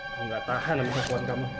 aku gak tahan sama kekuatan kamu